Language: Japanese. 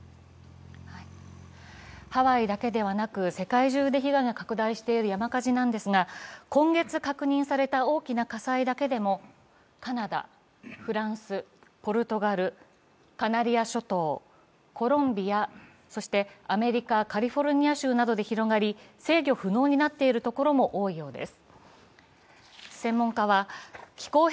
ハワイだけではなく世界中で被害が拡大している火災ですが今月確認された大きな火災だけでもカナダ、フランス、ポルトガル、カナリヤ諸島、コロンビア、そしてアメリカ・カリフォルニア州などで広がり制御不能になっているところも多いようです。